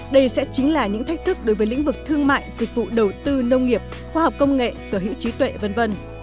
đây sẽ chính là những thách thức đối với lĩnh vực thương mại dịch vụ đầu tư nông nghiệp khoa học công nghệ sở hữu trí tuệ v v